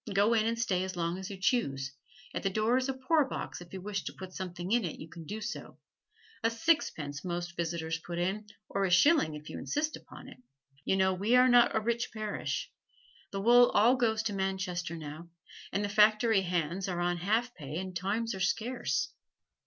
Go in and stay as long as you choose; at the door is a poorbox and if you wish to put something in you can do so a sixpence most visitors put in, or a shilling if you insist upon it. You know we are not a rich parish the wool all goes to Manchester now, and the factory hands are on half pay and times are scarce.